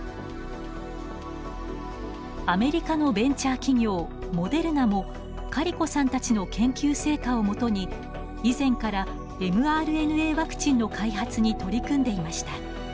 アメリカのベンチャー企業モデルナもカリコさんたちの研究成果をもとに以前からｍＲＮＡワクチンの開発に取り組んでいました。